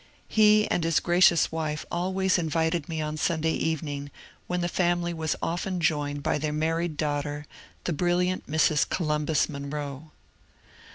He and his gracious wife always invited me on Sunday evening, when the family was often joined by their married daughter, the brilliant Mrs. Columbus Monroe.